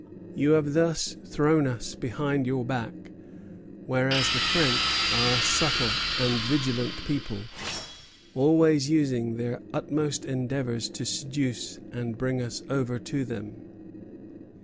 "You have thus thrown us behind your back; whereas the French are a subtle and vigilant people, always using their utmost endeavors to seduce and bring us over to them."